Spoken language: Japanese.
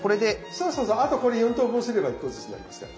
そうそうそうあとこれ４等分すれば１個ずつになりますから。